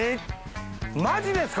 マジですか？